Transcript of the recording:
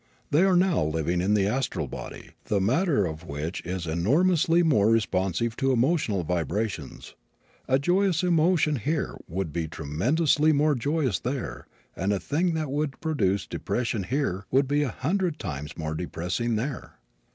They are now living in the astral body, the matter of which is enormously more responsive to emotional vibrations. A joyous emotion here would be tremendously more joyous there and a thing that would produce depression here would be a hundred times more depressing there.